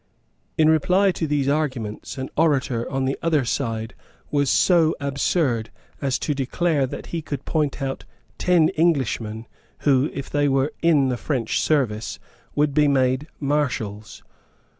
In reply to these arguments an orator on the other side was so absurd as to declare that he could point out ten Englishmen who, if they were in the French service, would be made Marshals.